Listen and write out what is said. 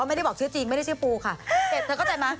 เสร็จเธอก็เจนไหม